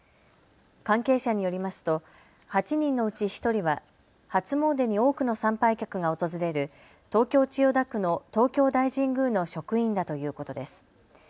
関係者によりますと８人のうち１人は初詣に多くの参拝客が訪れる東京千代田区の東京大神宮の職員だということです。